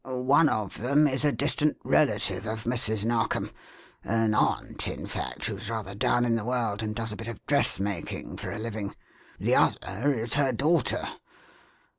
One of them is a distant relative of Mrs. Narkom an aunt, in fact, who's rather down in the world, and does a bit of dressmaking for a living. The other is her daughter.